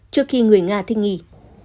trước khi người nga thích nghỉ